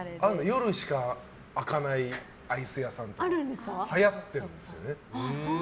夜しか開かないアイス屋さんとかはやってるんですよね。